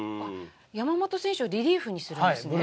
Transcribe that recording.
山本選手をリリーフにするんですね。